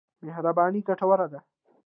مهرباني ګټوره ده.